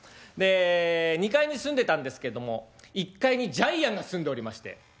で２階に住んでたんですけども１階にジャイアンが住んでおりまして。